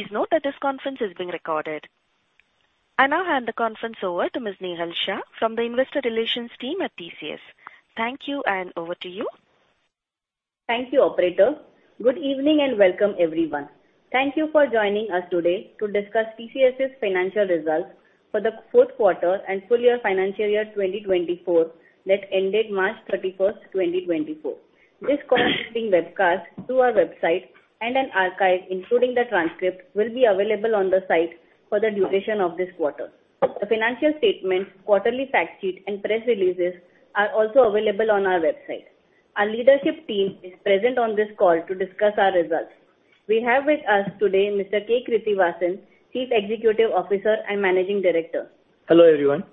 Please note that this conference is being recorded. I now hand the conference over to Ms. Nehal Shah from the Investor Relations team at TCS. Thank you, and over to you. Thank you, operator. Good evening, and welcome, everyone. Thank you for joining us today to discuss TCS's financial results for the fourth quarter and full year financial year 2024 that ended March 31, 2024. This call is being webcast through our website, and an archive, including the transcript, will be available on the site for the duration of this quarter. The financial statements, quarterly fact sheet, and press releases are also available on our website. Our leadership team is present on this call to discuss our results. We have with us today Mr. K. Krithivasan, Chief Executive Officer and Managing Director. Hello, everyone.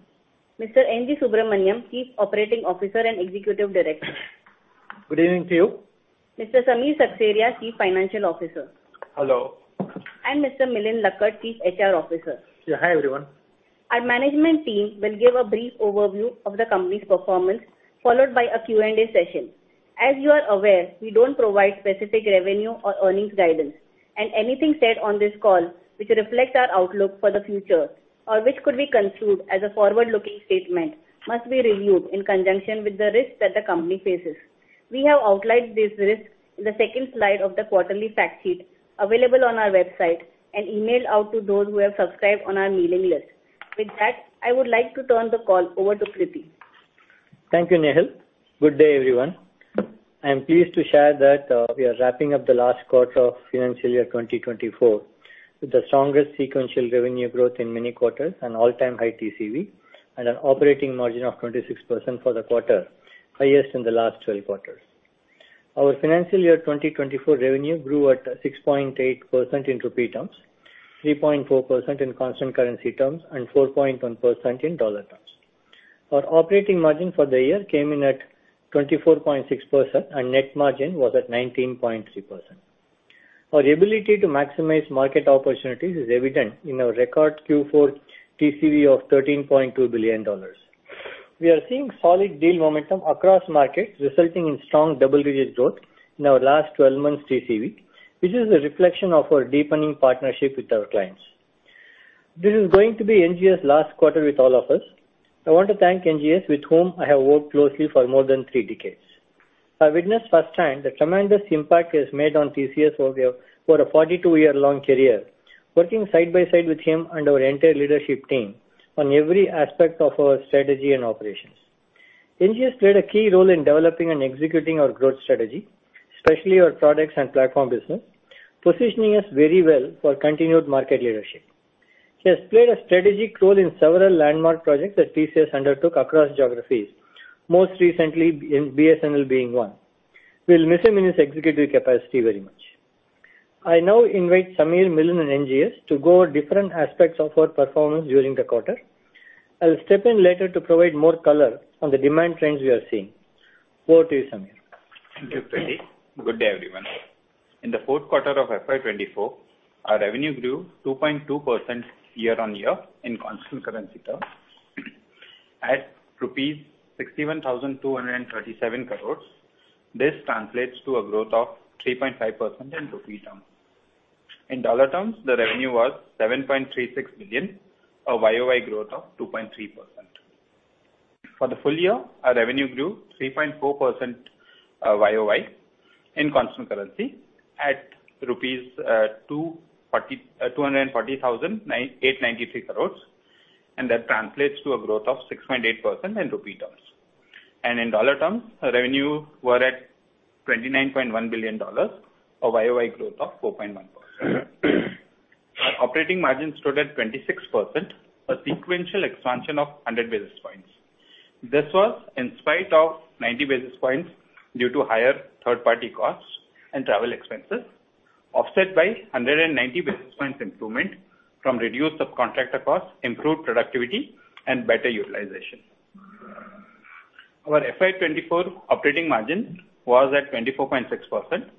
Mr. N.G. Subramaniam, Chief Operating Officer and Executive Director. Good evening to you. Mr. Samir Seksaria, Chief Financial Officer. Hello. Mr. Milind Lakkad, Chief HR Officer. Yeah. Hi, everyone. Our management team will give a brief overview of the company's performance, followed by a Q&A session. As you are aware, we don't provide specific revenue or earnings guidance, and anything said on this call which reflect our outlook for the future or which could be construed as a forward-looking statement, must be reviewed in conjunction with the risks that the company faces. We have outlined these risks in the second slide of the quarterly fact sheet available on our website and emailed out to those who have subscribed on our mailing list. With that, I would like to turn the call over to Krithi. Thank you, Nehal. Good day, everyone. I am pleased to share that, we are wrapping up the last quarter of financial year 2024 with the strongest sequential revenue growth in many quarters and all-time high TCV, and an operating margin of 26% for the quarter, highest in the last 12 quarters. Our financial year 2024 revenue grew at 6.8% in rupee terms, 3.4% in constant currency terms, and 4.1% in dollar terms. Our operating margin for the year came in at 24.6%, and net margin was at 19.3%. Our ability to maximize market opportunities is evident in our record Q4 TCV of $13.2 billion. We are seeing solid deal momentum across markets, resulting in strong double-digit growth in our last 12 months TCV, which is a reflection of our deepening partnership with our clients. This is going to be NGS' last quarter with all of us. I want to thank NGS, with whom I have worked closely for more than three decades. I witnessed firsthand the tremendous impact he has made on TCS over a 42-year-long career, working side by side with him and our entire leadership team on every aspect of our strategy and operations. NGS played a key role in developing and executing our growth strategy, especially our products and platform business, positioning us very well for continued market leadership. He has played a strategic role in several landmark projects that TCS undertook across geographies, most recently in BSNL being one. We'll miss him in his executive capacity very much. I now invite Samir, Milind, and NGS to go over different aspects of our performance during the quarter. I'll step in later to provide more color on the demand trends we are seeing. Over to you, Samir. Thank you, Krithi. Good day, everyone. In the fourth quarter of FY 2024, our revenue grew 2.2% year-on-year in constant currency terms at rupees 61,237 crore. This translates to a growth of 3.5% in rupee terms. In dollar terms, the revenue was $7.36 billion, a YOY growth of 2.3%. For the full year, our revenue grew 3.4% YOY in constant currency at rupees 240,893 crore, and that translates to a growth of 6.8% in rupee terms. In dollar terms, our revenue were at $29.1 billion, a YOY growth of 4.1%. Our operating margin stood at 26%, a sequential expansion of 100 basis points. This was in spite of 90 basis points due to higher third-party costs and travel expenses, offset by 190 basis points improvement from reduced subcontractor costs, improved productivity, and better utilization. Our FY 2024 operating margin was at 24.6%,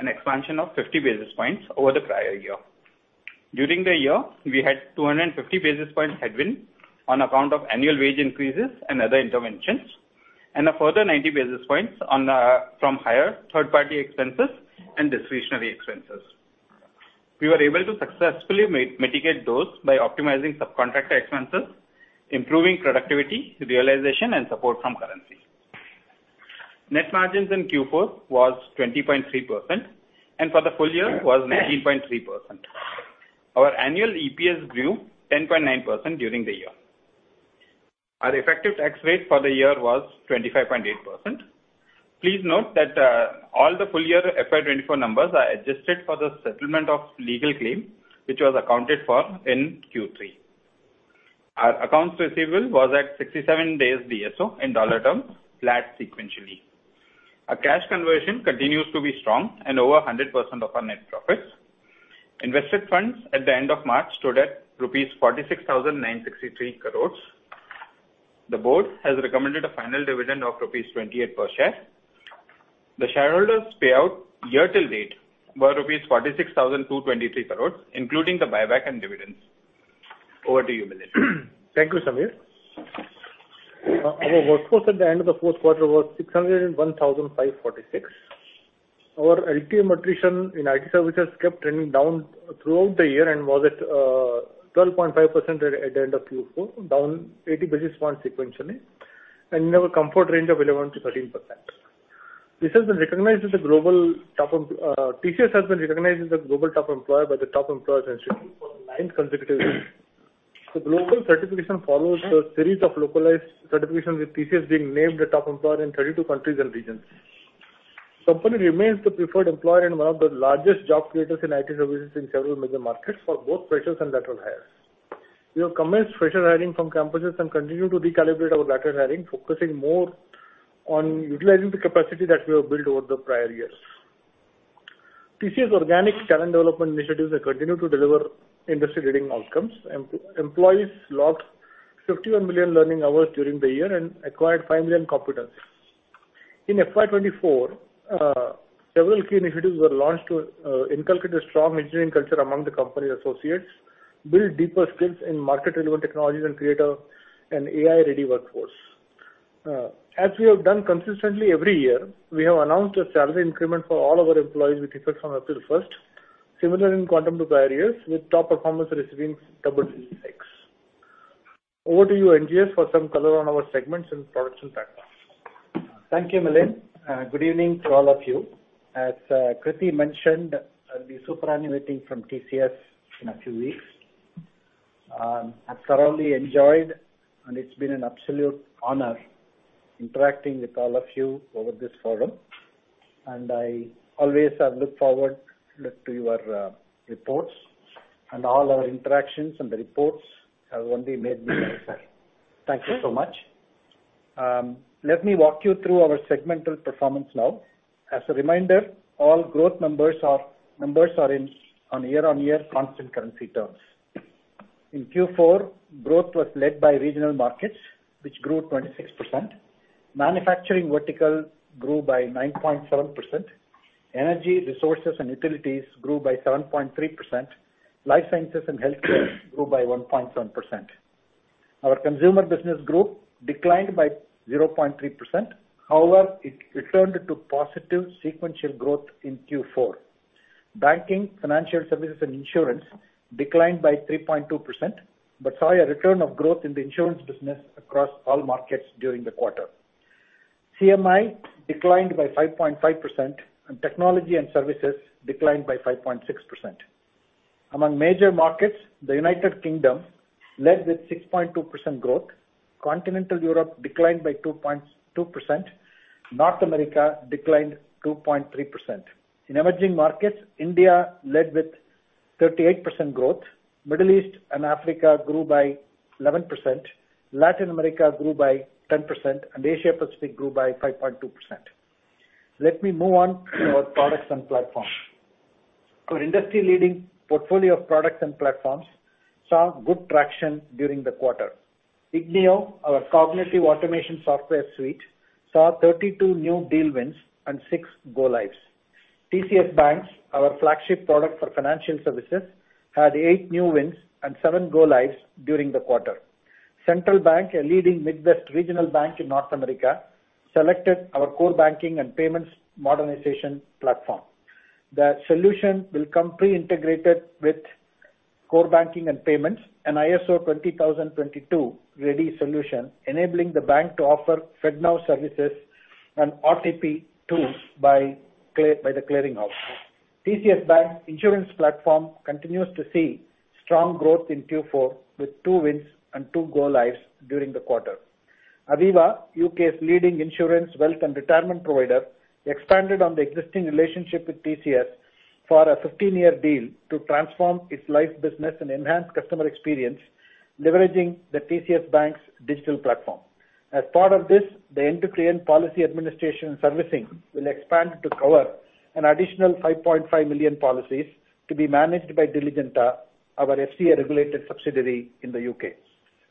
an expansion of 50 basis points over the prior year. During the year, we had 250 basis points headwind on account of annual wage increases and other interventions, and a further 90 basis points on, from higher third-party expenses and discretionary expenses. We were able to successfully mitigate those by optimizing subcontractor expenses, improving productivity, realization, and support from currency. Net margins in Q4 was 20.3%, and for the full year was 19.3%. Our annual EPS grew 10.9% during the year. Our effective tax rate for the year was 25.8%. Please note that, all the full year FY 2024 numbers are adjusted for the settlement of legal claim, which was accounted for in Q3. Our accounts receivable was at 67 days DSO in dollar terms, flat sequentially. Our cash conversion continues to be strong and over 100% of our net profits. Invested funds at the end of March stood at rupees 46,963 crores. The board has recommended a final dividend of rupees 28 per share. The shareholders' payout year till date were rupees 46,223 crores, including the buyback and dividends. Over to you, Milind. Thank you, Samir. Our workforce at the end of the fourth quarter was 601,546. Our LTM attrition in IT services kept trending down throughout the year and was at 12.5% at the end of Q4, down eighty basis points sequentially, and in our comfort range of 11%-13%. This has been recognized as a global top employer. TCS has been recognized as a global top employer by the Top Employers Institute for the ninth consecutive year. The global certification follows a series of localized certifications, with TCS being named the top employer in 32 countries and regions. Company remains the preferred employer and one of the largest job creators in IT services in several major markets for both freshers and lateral hires. We have commenced fresher hiring from campuses and continue to recalibrate our lateral hiring, focusing more on utilizing the capacity that we have built over the prior years. TCS organic talent development initiatives have continued to deliver industry-leading outcomes. Employees logged 51 million learning hours during the year and acquired 5 million competencies. In FY 2024, several key initiatives were launched to inculcate a strong engineering culture among the company associates, build deeper skills in market-relevant technologies, and create an AI-ready workforce. As we have done consistently every year, we have announced a salary increment for all our employees with effect from April 1, similar in quantum to prior years, with top performers receiving double-digit hikes. Over to you, NGS, for some color on our segments and products and platforms. Thank you, Milind. Good evening to all of you. As Krithi mentioned, I'll be superannuating from TCS in a few weeks. I've thoroughly enjoyed, and it's been an absolute honor interacting with all of you over this forum, and I always have looked forward to your reports, and all our interactions and the reports have only made me better. Thank you so much. Let me walk you through our segmental performance now. As a reminder, all growth numbers are in on year-on-year constant currency terms. In Q4, growth was led by regional markets, which grew 26%. Manufacturing vertical grew by 9.7%. Energy, Resources, and Utilities grew by 7.3%. Life Sciences and Healthcare grew by 1.7%. Our Consumer Business Group declined by 0.3%. However, it returned to positive sequential growth in Q4. Banking, Financial Services, and Insurance declined by 3.2%, but saw a return of growth in the insurance business across all markets during the quarter. CMI declined by 5.5%, and Technology and Services declined by 5.6%. Among major markets, the United Kingdom led with 6.2% growth. Continental Europe declined by 2.2%. North America declined 2.3%. In emerging markets, India led with 38% growth, Middle East and Africa grew by 11%, Latin America grew by 10%, and Asia Pacific grew by 5.2%. Let me move on to our products and platforms. Our industry-leading portfolio of products and platforms saw good traction during the quarter. ignio, our cognitive automation software suite, saw 32 new deal wins and six go-lives. TCS BaNCS, our flagship product for financial services, had eight new wins and seven go-lives during the quarter. Central Bank, a leading Midwest regional bank in North America, selected our core banking and payments modernization platform. The solution will come pre-integrated with core banking and payments, an ISO 20022-ready solution, enabling the bank to offer FedNow Services and RTP by the clearing house. TCS BaNCS insurance platform continues to see strong growth in Q4, with two wins and two go-lives during the quarter. Aviva, UK's leading insurance, wealth, and retirement provider, expanded on the existing relationship with TCS for a 15-year deal to transform its life business and enhance customer experience, leveraging the TCS BaNCS digital platform. As part of this, the end-to-end policy administration and servicing will expand to cover an additional 5.5 million policies to be managed by Diligenta, our FCA-regulated subsidiary in the UK.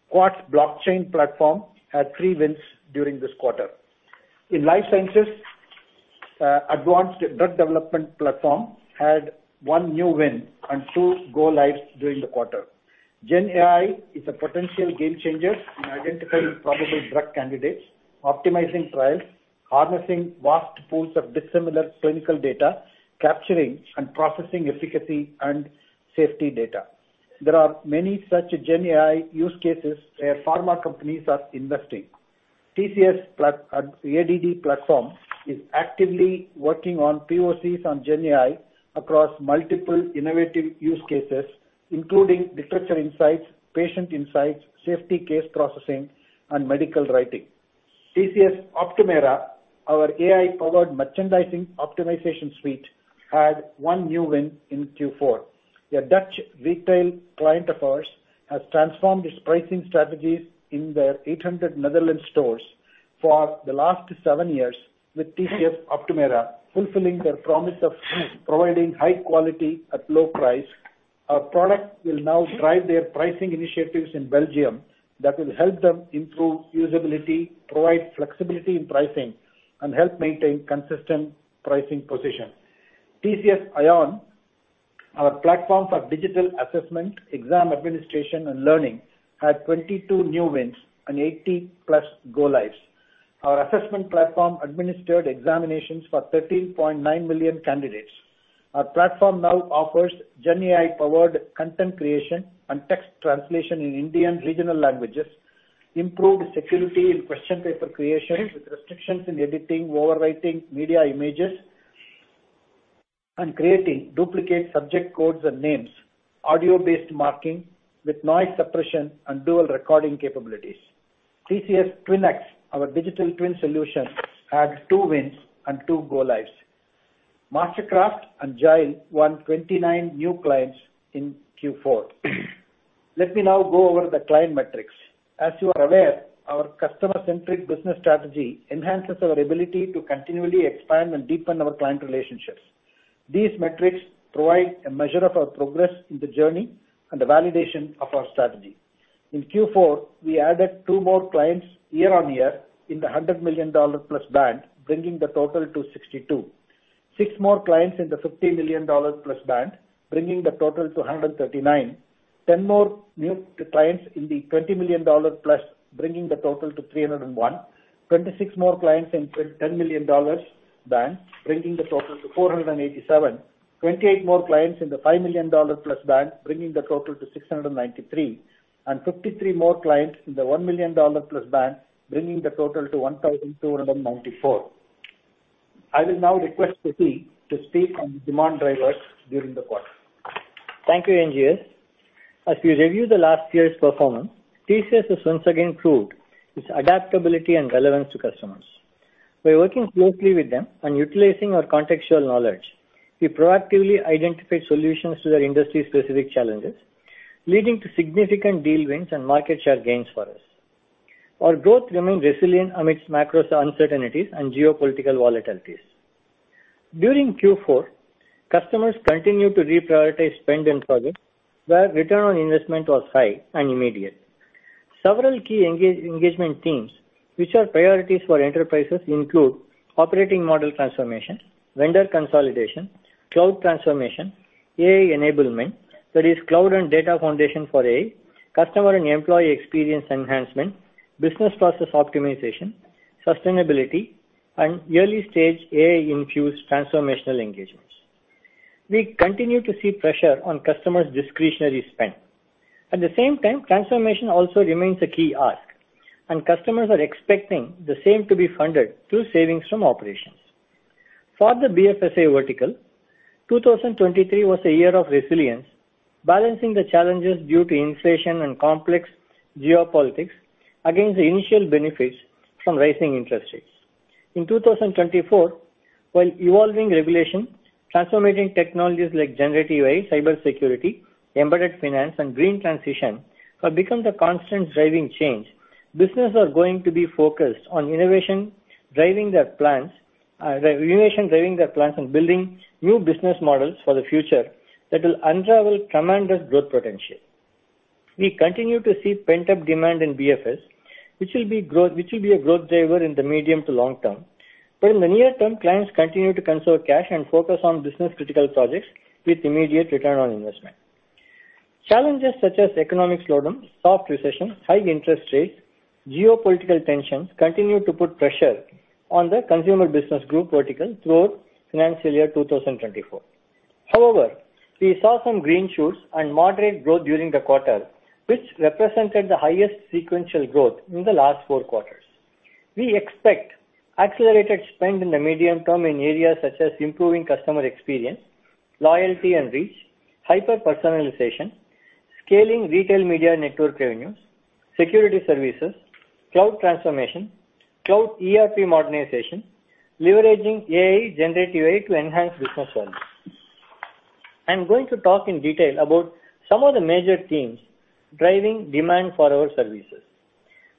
Quartz blockchain platform had three wins during this quarter. In life sciences, advanced drug development platform had one new win and two go-lives during the quarter. Gen AI is a potential game changer in identifying probable drug candidates, optimizing trials, harnessing vast pools of dissimilar clinical data, capturing and processing efficacy and safety data. There are many such Gen AI use cases where pharma companies are investing. TCS ADD platform is actively working on POCs on Gen AI across multiple innovative use cases, including structure insights, patient insights, safety case processing, and medical writing. TCS Optumera, our AI-powered merchandising optimization suite, had one new win in Q4. A Dutch retail client of ours has transformed its pricing strategies in their 800 Netherlands stores for the last seven years with TCS Optumera, fulfilling their promise of providing high quality at low price. Our product will now drive their pricing initiatives in Belgium. That will help them improve usability, provide flexibility in pricing, and help maintain consistent pricing position. TCS iON. Our platforms for digital assessment, exam administration, and learning had 22 new wins and 80+ go-lives. Our assessment platform administered examinations for 13.9 million candidates. Our platform now offers GenAI-powered content creation and text translation in Indian regional languages, improved security in question paper creation, with restrictions in editing, overwriting media images, and creating duplicate subject codes and names, audio-based marking with noise suppression and dual recording capabilities. TCS TwinX, our digital twin solution, had two wins and two go-lives. MasterCraft and Jile won 29 new clients in Q4. Let me now go over the client metrics. As you are aware, our customer-centric business strategy enhances our ability to continually expand and deepen our client relationships. These metrics provide a measure of our progress in the journey and the validation of our strategy. In Q4, we added two more clients year-on-year in the $100 million plus band, bringing the total to 62. Six more clients in the $50 million plus band, bringing the total to 139. 10 more new clients in the $20 million plus, bringing the total to 301. 26 more clients in $10 million dollars band, bringing the total to 487. 28 more clients in the $5 million plus band, bringing the total to 693, and 53 more clients in the $1 million plus band, bringing the total to 1,294. I will now request Krithi to speak on the demand drivers during the quarter. Thank you, NGS. As we review the last year's performance, TCS has once again proved its adaptability and relevance to customers. By working closely with them and utilizing our contextual knowledge, we proactively identify solutions to their industry-specific challenges, leading to significant deal wins and market share gains for us. Our growth remains resilient amidst macro uncertainties and geopolitical volatilities. During Q4, customers continued to reprioritize spend and projects where return on investment was high and immediate. Several key engagement themes, which are priorities for enterprises, include operating model transformation, vendor consolidation, cloud transformation, AI enablement, that is cloud and data foundation for AI, customer and employee experience enhancement, business process optimization, sustainability, and early-stage AI-infused transformational engagements. We continue to see pressure on customers' discretionary spend. At the same time, transformation also remains a key ask, and customers are expecting the same to be funded through savings from operations. For the BFSI vertical, 2023 was a year of resilience, balancing the challenges due to inflation and complex geopolitics against the initial benefits from rising interest rates. In 2024, while evolving regulation, transforming technologies like generative AI, cybersecurity, embedded finance, and green transition have become the constant driving change, businesses are going to be focused on innovation, driving their plans, and building new business models for the future that will unravel tremendous growth potential. We continue to see pent-up demand in BFS, which will be a growth driver in the medium to long term. But in the near term, clients continue to conserve cash and focus on business-critical projects with immediate return on investment. Challenges such as economic slowdown, soft recession, high interest rates, geopolitical tensions continue to put pressure on the consumer business group vertical throughout financial year 2024. However, we saw some green shoots and moderate growth during the quarter, which represented the highest sequential growth in the last four quarters. We expect accelerated spend in the medium term in areas such as improving customer experience, loyalty and reach, hyper-personalization, scaling retail media network revenues, security services, cloud transformation, cloud ERP modernization, leveraging AI, generative AI, to enhance business value. I'm going to talk in detail about some of the major themes driving demand for our services.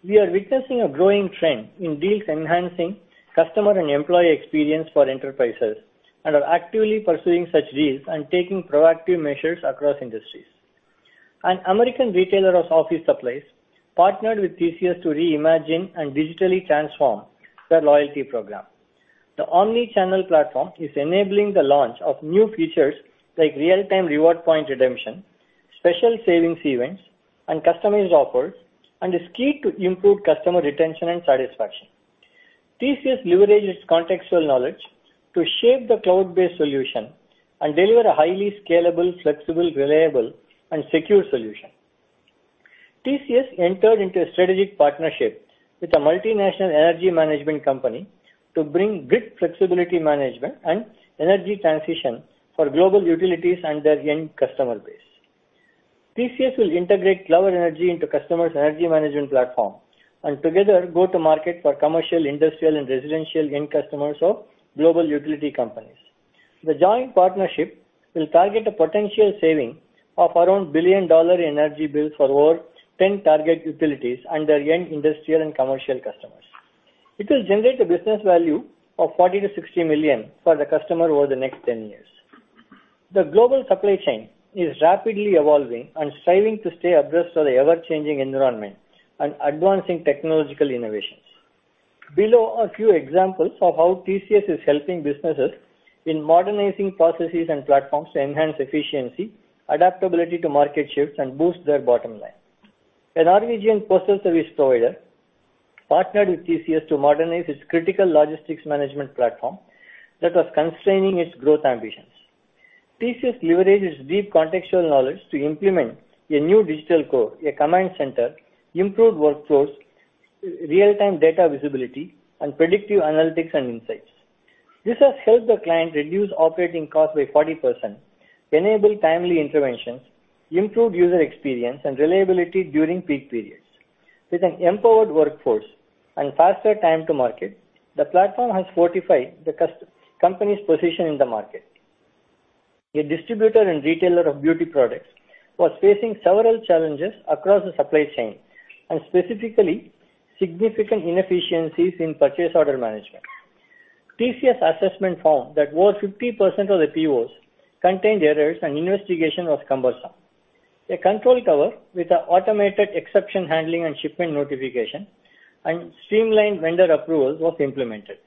We are witnessing a growing trend in deals enhancing customer and employee experience for enterprises and are actively pursuing such deals and taking proactive measures across industries. An American retailer of office supplies partnered with TCS to reimagine and digitally transform their loyalty program. The omni-channel platform is enabling the launch of new features like real-time reward point redemption, special savings events, and customized offers, and is key to improve customer retention and satisfaction. TCS leverages contextual knowledge to shape the cloud-based solution and deliver a highly scalable, flexible, reliable and secure solution. TCS entered into a strategic partnership with a multinational energy management company to bring grid flexibility management and energy transition for global utilities and their end customer base. TCS will integrate global energy into customers' energy management platform and together go to market for commercial, industrial, and residential end customers of global utility companies. The joint partnership will target a potential saving of around billion-dollar energy bills for over 10 target utilities and their end industrial and commercial customers. It will generate a business value of $40 million-$60 million for the customer over the next 10 years. The global supply chain is rapidly evolving and striving to stay abreast of the ever-changing environment and advancing technological innovations. Below are a few examples of how TCS is helping businesses in modernizing processes and platforms to enhance efficiency, adaptability to market shifts, and boost their bottom line. A Norwegian postal service provider partnered with TCS to modernize its critical logistics management platform that was constraining its growth ambitions. TCS leveraged its deep contextual knowledge to implement a new digital core, a command center, improved workflows, real-time data visibility, and predictive analytics and insights. This has helped the client reduce operating costs by 40%, enable timely interventions, improve user experience and reliability during peak periods. With an empowered workforce and faster time to market, the platform has fortified the company's position in the market. A distributor and retailer of beauty products was facing several challenges across the supply chain, and specifically, significant inefficiencies in purchase order management. TCS assessment found that over 50% of the POs contained errors and investigation was cumbersome. A control tower with an automated exception handling and shipment notification and streamlined vendor approval was implemented.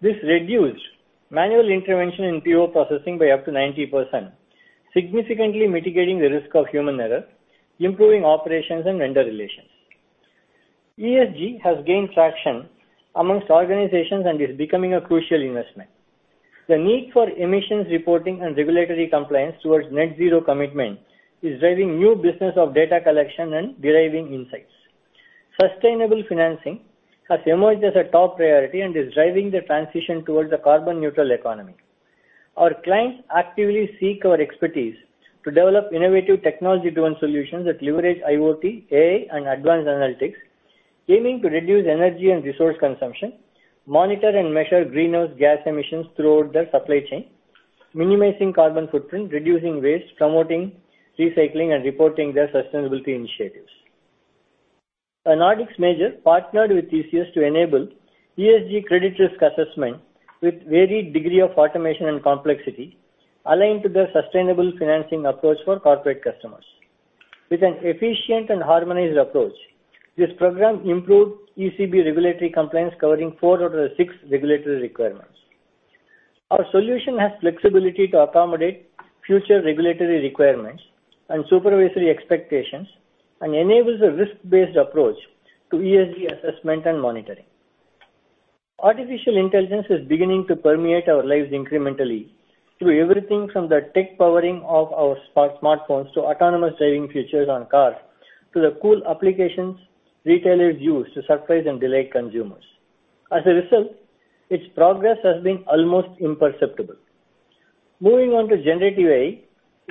This reduced manual intervention in PO processing by up to 90%, significantly mitigating the risk of human error, improving operations and vendor relations. ESG has gained traction among organizations and is becoming a crucial investment. The need for emissions reporting and regulatory compliance towards net zero commitment is driving new business of data collection and deriving insights. Sustainable financing has emerged as a top priority and is driving the transition towards a carbon neutral economy. Our clients actively seek our expertise to develop innovative technology-driven solutions that leverage IoT, AI, and advanced analytics, aiming to reduce energy and resource consumption, monitor and measure greenhouse gas emissions throughout their supply chain, minimizing carbon footprint, reducing waste, promoting recycling, and reporting their sustainability initiatives. A Nordics major partnered with TCS to enable ESG credit risk assessment with varied degree of automation and complexity, aligned to the sustainable financing approach for corporate customers. With an efficient and harmonized approach, this program improved ECB regulatory compliance, covering four out of the six regulatory requirements. Our solution has flexibility to accommodate future regulatory requirements and supervisory expectations, and enables a risk-based approach to ESG assessment and monitoring. Artificial intelligence is beginning to permeate our lives incrementally, through everything from the tech powering of our smart smartphones, to autonomous driving features on cars, to the cool applications retailers use to surprise and delight consumers. As a result, its progress has been almost imperceptible. Moving on to generative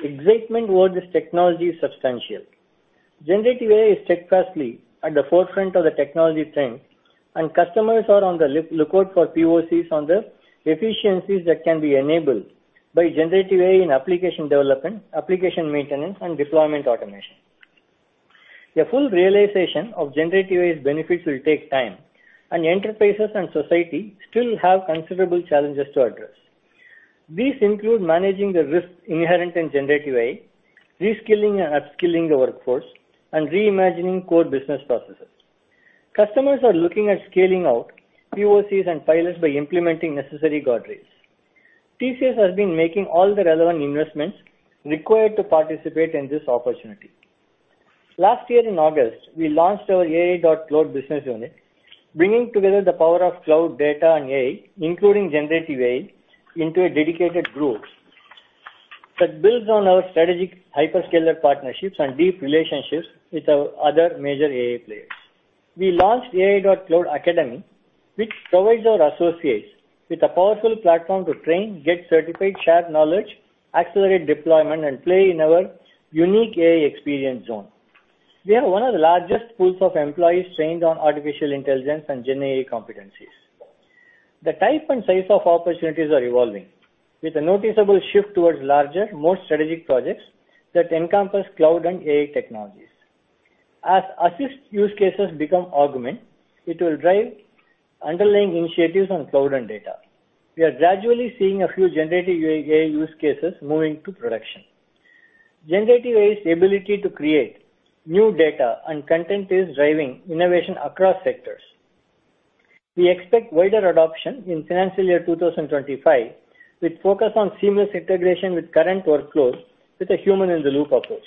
AI, excitement toward this technology is substantial. Generative AI is steadfastly at the forefront of the technology trend, and customers are on the lookout for POCs on the efficiencies that can be enabled by generative AI in application development, application maintenance, and deployment automation. The full realization of generative AI's benefits will take time, and enterprises and society still have considerable challenges to address. These include managing the risks inherent in generative AI, reskilling and upskilling the workforce, and reimagining core business processes. Customers are looking at scaling out POCs and pilots by implementing necessary guardrails. TCS has been making all the relevant investments required to participate in this opportunity. Last year in August, we launched our AI.Cloud business unit, bringing together the power of cloud data and AI, including generative AI, into a dedicated group that builds on our strategic hyperscaler partnerships and deep relationships with our other major AI players. We launched AI.Cloud Academy, which provides our associates with a powerful platform to train, get certified, share knowledge, accelerate deployment, and play in our unique AI experience zone. We have one of the largest pools of employees trained on artificial intelligence and GenAI competencies. The type and size of opportunities are evolving, with a noticeable shift towards larger, more strategic projects that encompass cloud and AI technologies. As AI use cases become augmented, it will drive underlying initiatives on cloud and data. We are gradually seeing a few generative AI use cases moving to production. Generative AI's ability to create new data and content is driving innovation across sectors. We expect wider adoption in financial year 2025, with focus on seamless integration with current workflows with a human-in-the-loop approach.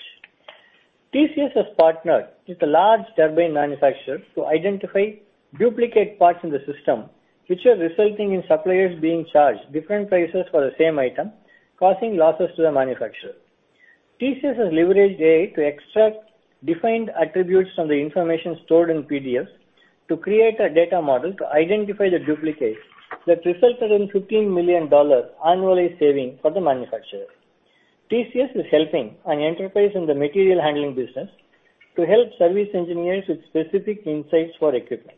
TCS has partnered with a large turbine manufacturer to identify duplicate parts in the system, which are resulting in suppliers being charged different prices for the same item, causing losses to the manufacturer. TCS has leveraged AI to extract defined attributes from the information stored in PDFs to create a data model to identify the duplicates that resulted in $15 million annually saving for the manufacturer. TCS is helping an enterprise in the material handling business to help service engineers with specific insights for equipment.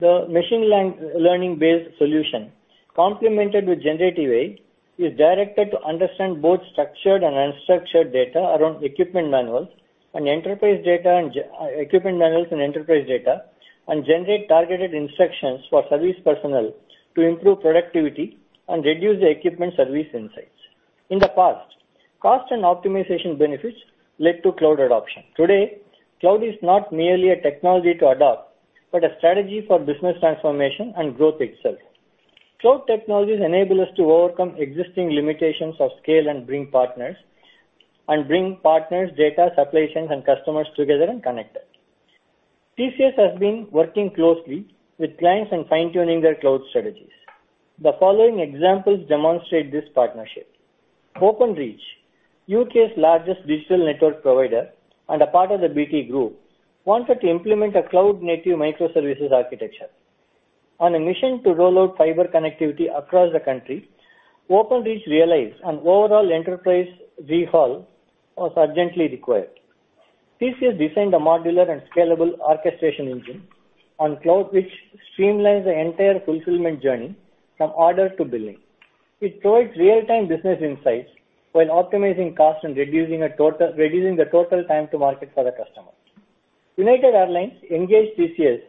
The machine learning-based solution, complemented with generative AI, is directed to understand both structured and unstructured data around equipment manuals and enterprise data, and equipment manuals and enterprise data, and generate targeted instructions for service personnel to improve productivity and reduce the equipment service insights. In the past, cost and optimization benefits led to cloud adoption. Today, cloud is not merely a technology to adopt, but a strategy for business transformation and growth itself. Cloud technologies enable us to overcome existing limitations of scale and bring partners, and bring partners, data, applications, and customers together and connected. TCS has been working closely with clients in fine-tuning their cloud strategies. The following examples demonstrate this partnership. Openreach, U.K.'s largest digital network provider and a part of the BT Group, wanted to implement a cloud-native microservices architecture. On a mission to roll out fiber connectivity across the country, Openreach realized an overall enterprise overhaul was urgently required. TCS designed a modular and scalable orchestration engine on cloud, which streamlines the entire fulfillment journey from order to billing. It provides real-time business insights while optimizing costs and reducing a total, reducing the total time to market for the customer. United Airlines engaged TCS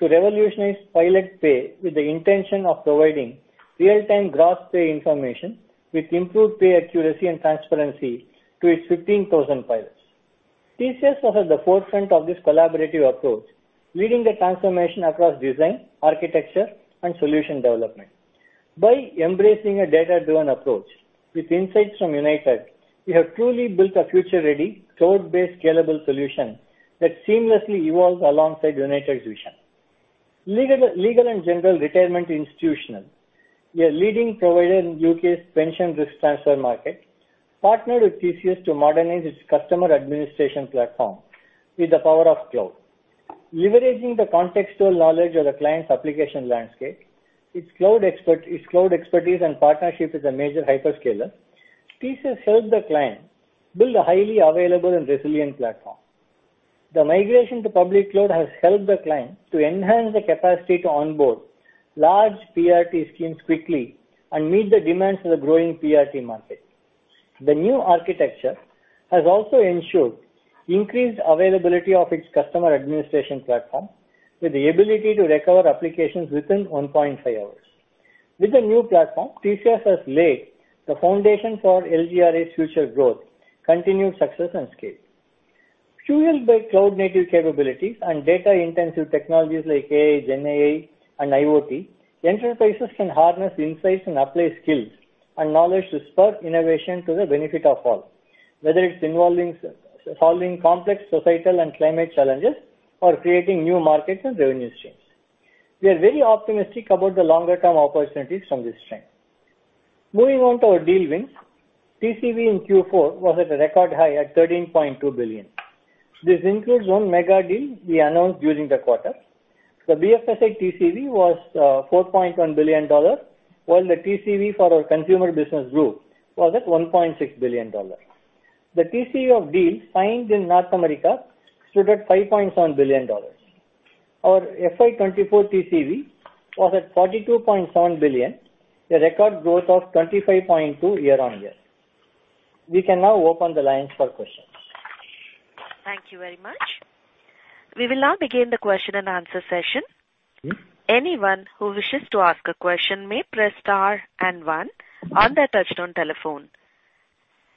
to revolutionize pilot pay with the intention of providing real-time gross pay information with improved pay accuracy and transparency to its 15,000 pilots. TCS was at the forefront of this collaborative approach, leading the transformation across design, architecture, and solution development. By embracing a data-driven approach with insights from United, we have truly built a future-ready, cloud-based, scalable solution that seamlessly evolves alongside United's vision. Legal & General Retirement Institutional, a leading provider in UK's pension risk transfer market, partnered with TCS to modernize its customer administration platform with the power of cloud. Leveraging the contextual knowledge of the client's application landscape, its cloud expertise and partnership with a major hyperscaler, TCS helped the client build a highly available and resilient platform. The migration to public cloud has helped the client to enhance the capacity to onboard large PRT schemes quickly and meet the demands of the growing PRT market. The new architecture has also ensured increased availability of its customer administration platform, with the ability to recover applications within 1.5 hours. With the new platform, TCS has laid the foundation for LGRA's future growth, continued success and scale. Fueled by cloud-native capabilities and data-intensive technologies like AI, GenAI, and IoT, enterprises can harness insights and apply skills and knowledge to spur innovation to the benefit of all, whether it's involving solving complex societal and climate challenges or creating new markets and revenue streams. We are very optimistic about the longer-term opportunities from this strength. Moving on to our deal wins. TCV in Q4 was at a record high at $13.2 billion. This includes one mega deal we announced during the quarter. The BFSI TCV was $4.1 billion, while the TCV for our consumer business group was at $1.6 billion. The TCV of deals signed in North America stood at $5.7 billion. Our FY 2024 TCV was at $42.7 billion, a record growth of 25.2 year-on-year. We can now open the lines for questions. Thank you very much. We will now begin the question-and-answer session. Anyone who wishes to ask a question may press star and one on their touchtone telephone.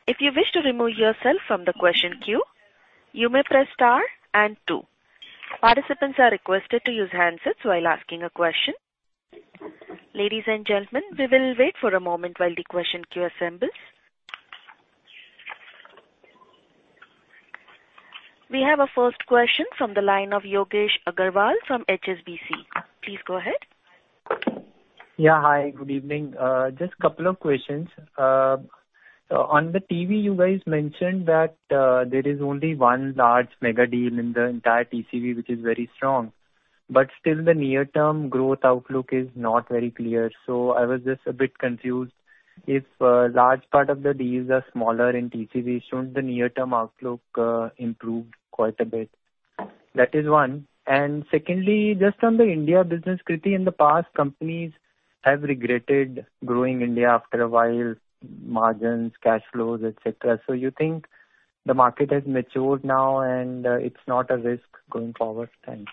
If you wish to remove yourself from the question queue, you may press star and two. Participants are requested to use handsets while asking a question. Ladies and gentlemen, we will wait for a moment while the question queue assembles. We have a first question from the line of Yogesh Aggarwal from HSBC. Please go ahead. Yeah. Hi, good evening. Just a couple of questions. On the TCV, you guys mentioned that there is only one large mega deal in the entire TCV, which is very strong, but still the near-term growth outlook is not very clear. So I was just a bit confused, if large part of the deals are smaller in TCV, shouldn't the near-term outlook improve quite a bit? That is one. And secondly, just on the India business, Krithi, in the past, companies have regretted growing India after a while, margins, cash flows, et cetera. So you think the market has matured now and it's not a risk going forward? Thanks.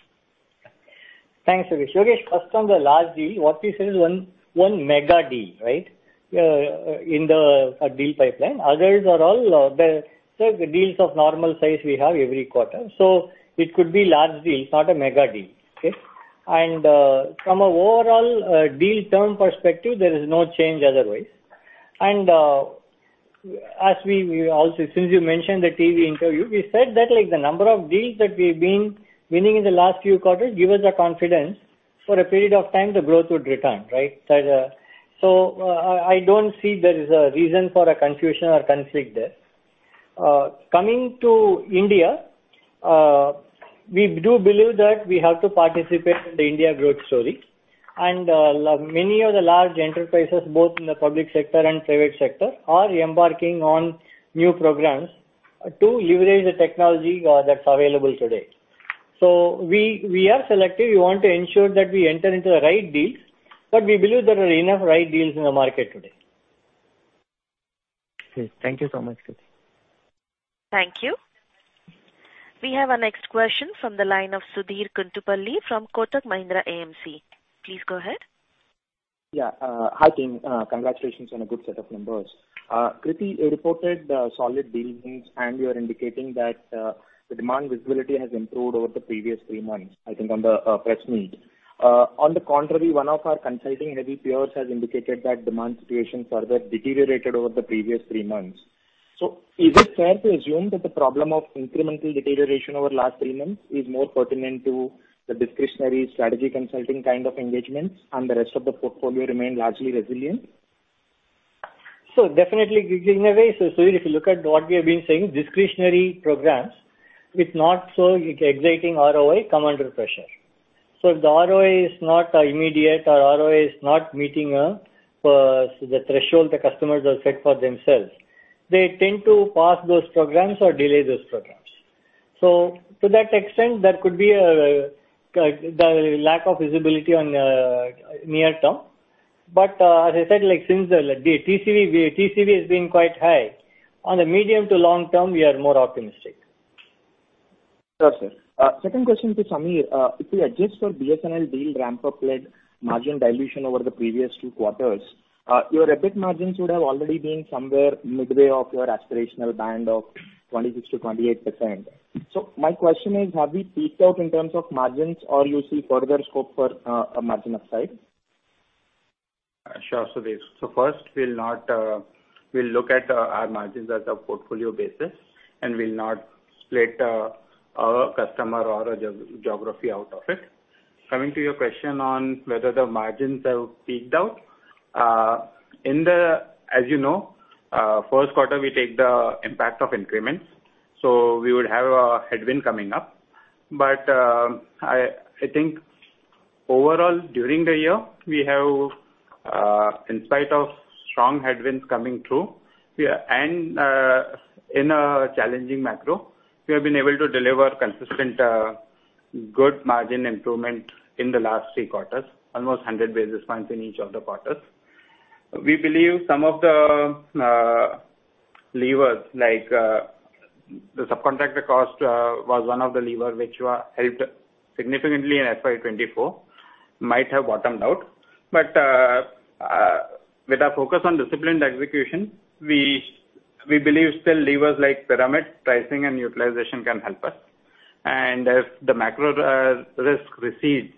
Thanks, Yogesh. Yogesh, first on the large deal, what we said is one mega deal, right? In the deal pipeline. Others are all the deals of normal size we have every quarter. So it could be large deal, not a mega deal, okay? And from an overall deal term perspective, there is no change otherwise. And as we also—since you mentioned the TV interview, we said that, like, the number of deals that we've been winning in the last few quarters give us the confidence for a period of time the growth would return, right? So I don't see there is a reason for a confusion or conflict there. Coming to India, we do believe that we have to participate in the India growth story. Many of the large enterprises, both in the public sector and private sector, are embarking on new programs to leverage the technology that's available today. We are selective. We want to ensure that we enter into the right deals, but we believe there are enough right deals in the market today. Okay. Thank you so much, K. Krithivasan. Thank you. We have our next question from the line of Sudhir Guntupalli from Kotak Mahindra AMC. Please go ahead. Yeah, hi, team. Congratulations on a good set of numbers. Kriti, you reported solid dealings, and you are indicating that the demand visibility has improved over the previous three months, I think, on the press meet. On the contrary, one of our consulting heavy peers has indicated that demand situations further deteriorated over the previous three months. So is it fair to assume that the problem of incremental deterioration over the last three months is more pertinent to the discretionary strategy consulting kind of engagements and the rest of the portfolio remained largely resilient? So definitely, in a way. So Sudhir, if you look at what we have been saying, discretionary programs with not so exciting ROI come under pressure. So if the ROI is not immediate or ROI is not meeting the threshold the customers have set for themselves, they tend to pause those programs or delay those programs. So to that extent, that could be, like, the lack of visibility on near term. But, as I said, like, since the, the TCV, the TCV has been quite high, on the medium to long term, we are more optimistic. Sure, sir. Second question to Samir. If you adjust for BSNL deal ramp-up-led margin dilution over the previous two quarters, your EBIT margins would have already been somewhere midway of your aspirational band of 26%-28%. So my question is, have we peaked out in terms of margins or you see further scope for a margin upside? Sure, Sudhir. So first, we'll not... We'll look at our margins as a portfolio basis, and we'll not split our customer or a geography out of it. Coming to your question on whether the margins have peaked out, in the, as you know, first quarter, we take the impact of increments, so we would have a headwind coming up. But, I think overall, during the year, we have, in spite of strong headwinds coming through, and, in a challenging macro, we have been able to deliver consistent, good margin improvement in the last three quarters, almost 100 basis points in each of the quarters. We believe some of the, levers, like, the subcontractor cost, was one of the lever which, helped significantly in FY 2024, might have bottomed out. But, with our focus on disciplined execution, we believe still levers like pyramid pricing and utilization can help us. And if the macro risk recedes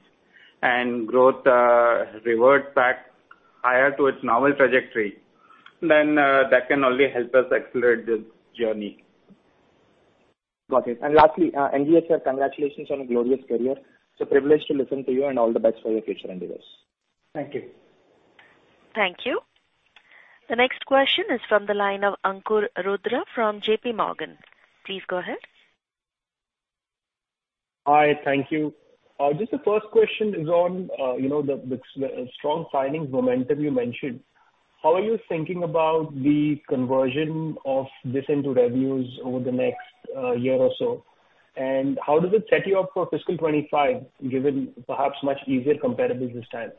and growth reverts back higher to its normal trajectory, then that can only help us accelerate this journey. Got it. And lastly, NGS, sir, congratulations on a glorious career. It's a privilege to listen to you, and all the best for your future endeavors. Thank you. Thank you. The next question is from the line of Ankur Rudra from JPMorgan. Please go ahead. Hi, thank you. Just the first question is on, you know, the strong signing momentum you mentioned. How are you thinking about the conversion of this into revenues over the next year or so? And how does it set you up for fiscal 2025, given perhaps much easier comparables this time?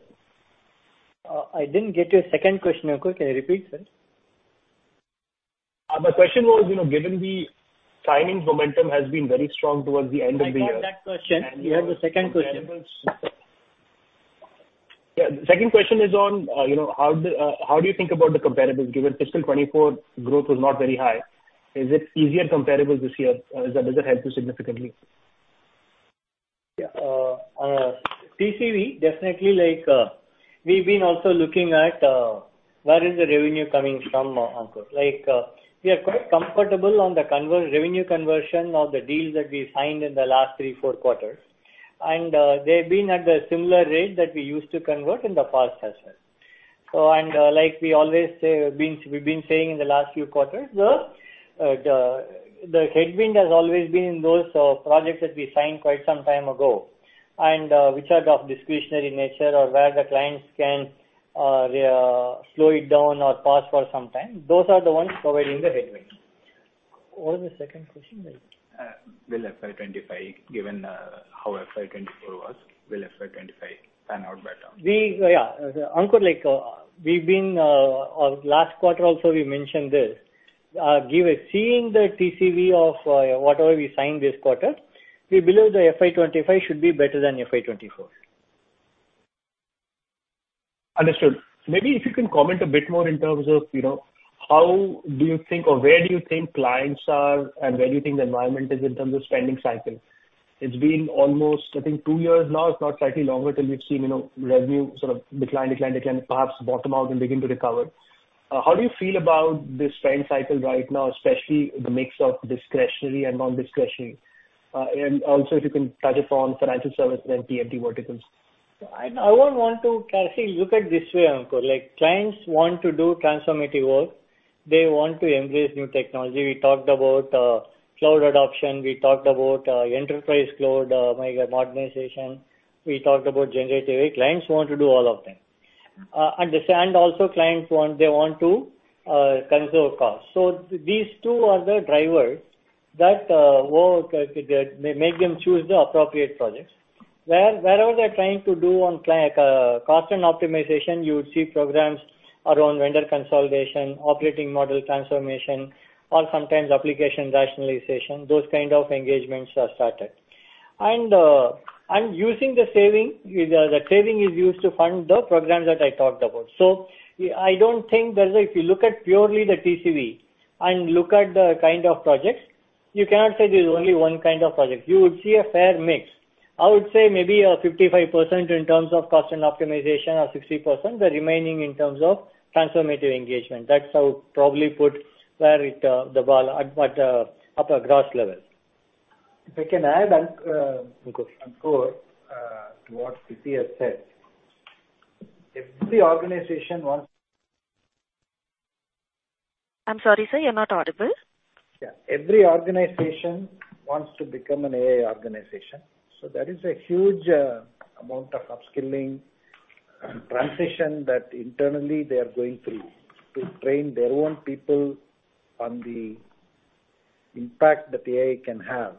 I didn't get your second question, Ankur. Can you repeat, sir? My question was, you know, given the signing momentum has been very strong towards the end of the year- I got that question. You have the second question. Yeah, the second question is on, you know, how do you think about the comparables, given fiscal 2024 growth was not very high? Is it easier comparables this year? Does it help you significantly? Yeah. TCV, definitely like, we've been also looking at, where is the revenue coming from, Ankur. Like, we are quite comfortable on the revenue conversion of the deals that we signed in the last three-four quarters. And, they've been at the similar rate that we used to convert in the past as well. So, and, like we always say, we've been saying in the last few quarters, the headwind has always been in those projects that we signed quite some time ago, and, which are of discretionary nature or where the clients can slow it down or pause for some time. Those are the ones providing the headwind. What was the second question like? Will FY 2025, given how FY 2024 was, will FY 2025 pan out better? We, yeah. Ankur, like, we've been, last quarter also we mentioned this. Given the TCV of whatever we signed this quarter, we believe the FY 2025 should be better than FY 2024. Understood. Maybe if you can comment a bit more in terms of, you know, how do you think or where do you think clients are and where do you think the environment is in terms of spending cycle? It's been almost, I think, two years now, if not slightly longer, till we've seen, you know, revenue sort of decline, decline, decline, perhaps bottom out and begin to recover. How do you feel about this spend cycle right now, especially the mix of discretionary and non-discretionary? And also, if you can touch upon financial services and TMT verticals? I want to look at this way, Ankur. Like, clients want to do transformative work. They want to embrace new technology. We talked about cloud adoption. We talked about enterprise cloud, mega modernization. We talked about generative AI. Clients want to do all of them. Understand also clients want, they want to control costs. So these two are the drivers that work that make them choose the appropriate projects. Wherever they're trying to do on like cost and optimization, you would see programs around vendor consolidation, operating model transformation, or sometimes application rationalization. Those kind of engagements are started. And using the saving, the saving is used to fund the programs that I talked about. So I don't think there's a if you look at purely the TCV and look at the kind of projects, you cannot say there's only one kind of project. You would see a fair mix. I would say maybe 55% in terms of cost and optimization or 60%, the remaining in terms of transformative engagement. That's how I would probably put where it, the ball at, but at a gross level. If I can add and, Of course. Ankur, to what Krithi has said. Every organization wants- I'm sorry, sir, you're not audible. Yeah. Every organization wants to become an AI organization, so there is a huge amount of upskilling and transition that internally they are going through to train their own people on the impact that AI can have,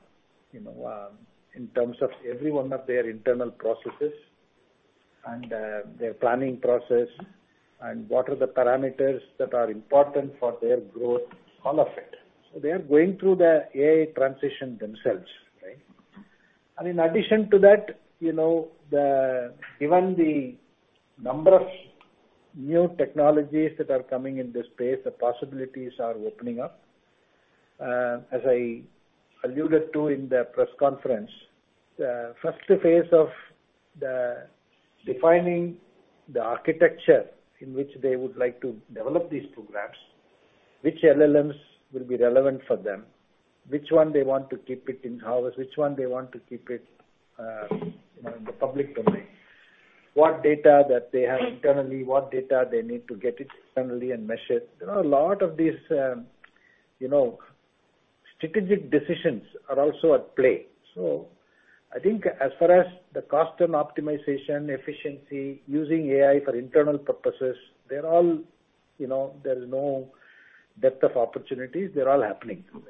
you know, in terms of every one of their internal processes and their planning process, and what are the parameters that are important for their growth, all of it. So they are going through the AI transition themselves, right? And in addition to that, you know, given the number of new technologies that are coming in this space, the possibilities are opening up. As I alluded to in the press conference, the first phase of the defining the architecture in which they would like to develop these programs, which LLMs will be relevant for them, which one they want to keep it in-house, which one they want to keep it, you know, in the public domain. What data that they have internally, what data they need to get it internally and measure. You know, a lot of these, you know, strategic decisions are also at play. So I think as far as the cost and optimization, efficiency, using AI for internal purposes, they're all, you know, there is no depth of opportunities. They're all happening, right?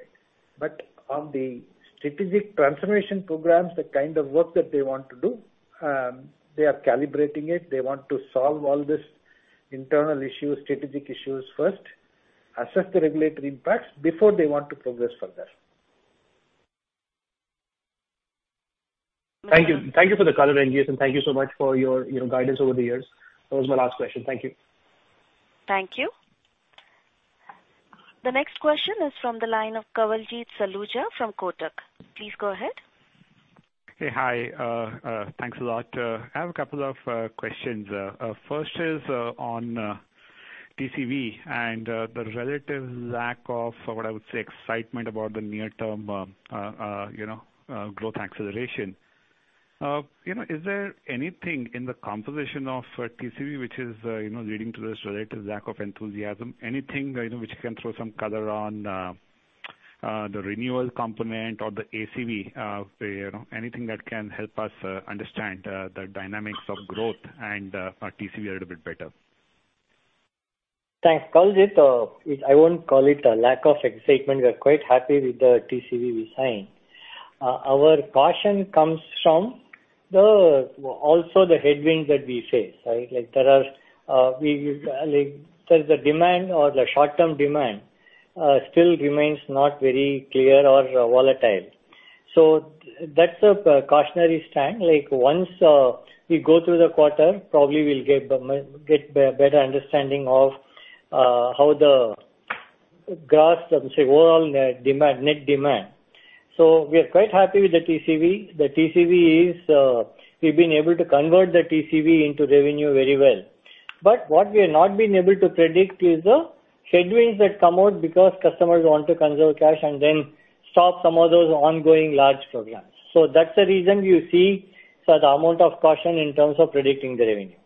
But on the strategic transformation programs, the kind of work that they want to do, they are calibrating it. They want to solve all these internal issues, strategic issues first, assess the regulatory impacts before they want to progress further. Thank you. Thank you for the color, NGS, and thank you so much for your, you know, guidance over the years. That was my last question. Thank you. Thank you. The next question is from the line of Kawaljeet Saluja from Kotak. Please go ahead. Hey. Hi. Thanks a lot. I have a couple of questions. First is on TCV and the relative lack of, what I would say, excitement about the near-term, you know, growth acceleration. You know, is there anything in the composition of TCV which is, you know, leading to this relative lack of enthusiasm? Anything, you know, which you can throw some color on, the renewal component or the ACV, you know, anything that can help us understand the dynamics of growth and TCV a little bit better? Thanks, Kawaljeet. I won't call it a lack of excitement. We are quite happy with the TCV we signed. Our caution comes from the, also the headwinds that we face, right? Like there are, we, like, the demand or the short-term demand still remains not very clear or volatile. So that's a precautionary stand. Like, once, we go through the quarter, probably we'll get a better understanding of how the gross, let me say, overall demand, net demand. So we are quite happy with the TCV. The TCV is, we've been able to convert the TCV into revenue very well. But what we have not been able to predict is the headwinds that come out because customers want to conserve cash and then stop some of those ongoing large programs. So that's the reason you see, so the amount of caution in terms of predicting the revenue.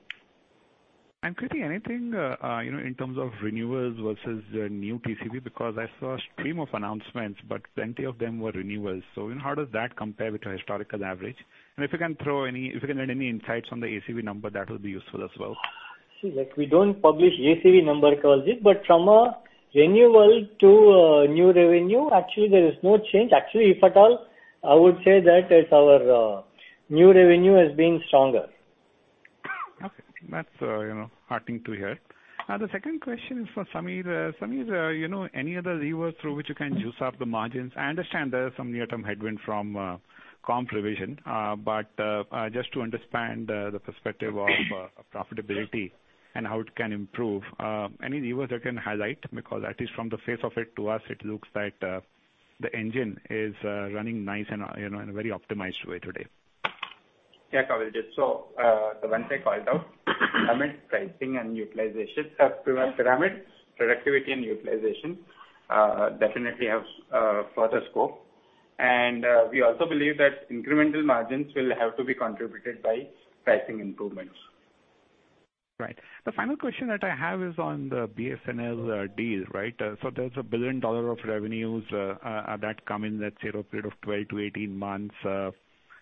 Krithi, anything you know in terms of renewals versus new TCV? Because I saw a stream of announcements, but plenty of them were renewals. So, you know, how does that compare with your historical average? And if you can add any insights on the ACV number, that would be useful as well. See, like, we don't publish ACV number, Kawaljeet, but from a renewal to a new revenue, actually, there is no change. Actually, if at all, I would say that it's our new revenue has been stronger. Okay. That's, you know, heartening to hear. Now, the second question is for Samir. Samir, you know, any other levers through which you can juice up the margins? I understand there is some near-term headwind from, comp revision, but, just to understand, the perspective of, profitability and how it can improve. Any levers that can highlight? Because at least from the face of it, to us, it looks like, the engine is, running nice and, you know, in a very optimized way today. Yeah, Kawaljeet. So, the ones I called out, pricing and utilization have proved paramount. Productivity and utilization definitely have further scope. We also believe that incremental margins will have to be contributed by pricing improvements. Right. The final question that I have is on the BSNL deal, right? So there's $1 billion of revenues that come in, let's say, a period of 12-18 months.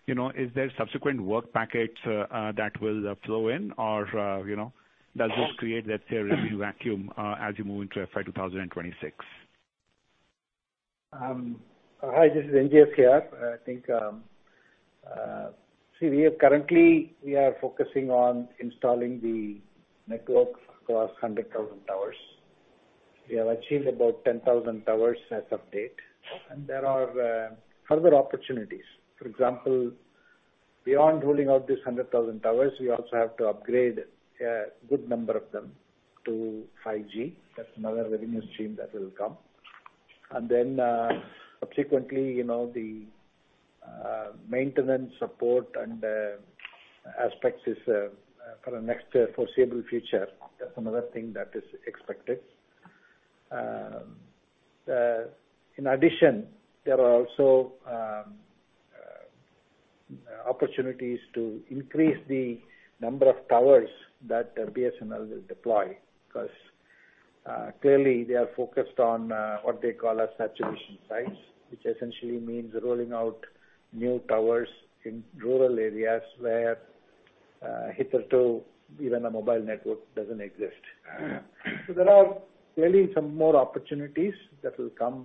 You know, is there subsequent work packets that will flow in? Or, you know, does this create, let's say, a revenue vacuum as you move into FY 2025 and 2026? Hi, this is NGS here. I think, see, we are currently, we are focusing on installing the network across 100,000 towers. We have achieved about 10,000 towers as of date, and there are further opportunities. For example, beyond rolling out these 100,000 towers, we also have to upgrade a good number of them to 5G. That's another revenue stream that will come. And then, subsequently, you know, the maintenance, support and aspects is for the next year, foreseeable future. That's another thing that is expected. In addition, there are also opportunities to increase the number of towers that BSNL will deploy, because clearly they are focused on what they call saturation sites. Which essentially means rolling out new towers in rural areas where hitherto even a mobile network doesn't exist. So there are really some more opportunities that will come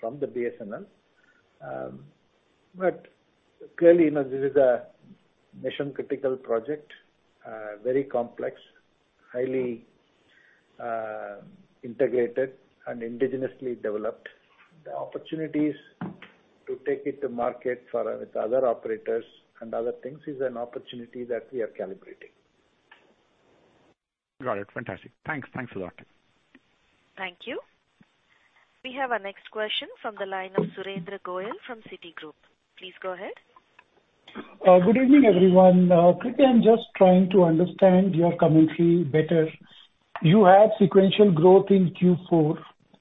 from the BSNL. But clearly, you know, this is a mission-critical project, very complex, highly integrated and indigenously developed. The opportunities to take it to market for, with other operators and other things, is an opportunity that we are calibrating. Got it. Fantastic. Thanks. Thanks a lot. Thank you. We have our next question from the line of Surendra Goyal from Citigroup. Please go ahead. Good evening, everyone. Quickly, I'm just trying to understand your commentary better. You have sequential growth in Q4.